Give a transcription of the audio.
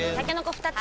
２つ！